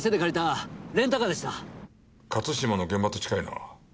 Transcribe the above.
勝島の現場と近いな。